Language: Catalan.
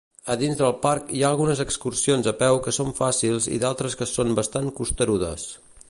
A dins del parc, hi ha algunes excursions a peu que són fàcils i d'altres que són bastant costerudes.